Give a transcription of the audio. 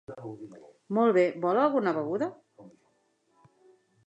Molt bé, vol alguna beguda?